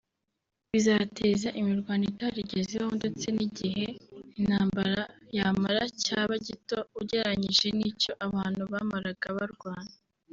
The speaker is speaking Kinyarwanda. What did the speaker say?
bizateza imirwano itarigeze ibaho ndetse n’igihe intambara yamara cyaba gito ugereranyije n’icyo abantu bamaraga barwana